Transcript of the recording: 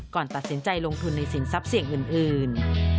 ก่อนตัดสินใจลงทุนในสินทรัพย์เสี่ยงอื่น